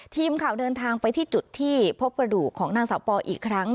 ทีมข่าวเดินทางไปที่จุดที่พบกระดูกของนางสาวปออีกครั้ง